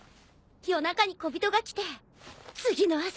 夜中に小人が来て次の朝。